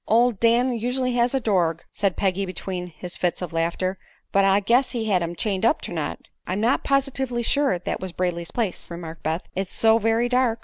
"Ol' Dan usu'lly has a dorg," said Peggy, between his fits of laughter; "but I guess he had him chained up ternight." "I'm not positively sure that was Brayley's place," remarked Beth; "it's so very dark."